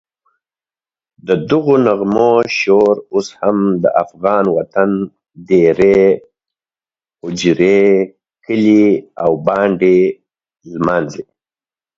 ددغو نغمو شور اوس هم د افغان وطن دېرې، هوجرې، کلي او بانډې نمانځي.